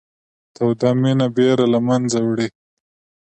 توده مینه بېره له منځه وړي